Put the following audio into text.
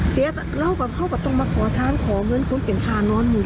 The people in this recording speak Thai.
เสียทั้งเราก็ต้องมาก่อทางขอเงินคุณเปลี่ยนคาน้อนหนึ่ง